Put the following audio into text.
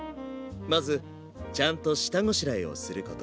まずちゃんと下ごしらえをすること。